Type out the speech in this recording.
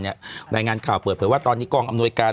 รายงานข่าวเปิดเผยว่าตอนนี้กองอำนวยการ